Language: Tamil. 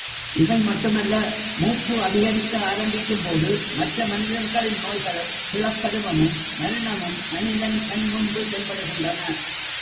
இவைமட்டுமல்ல, மூப்பு அதிகரிக்க ஆரம்பிக்கும்போது, மற்ற மனிதர்களின் நோய்களும், கிழப் பருவமும், மரணமும் மனிதன் கண்முன்பு தென்படுகின்றன.